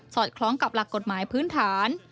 อดคล้องกับหลักกฎหมายพื้นฐาน